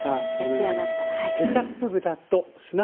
焼き上がったはい。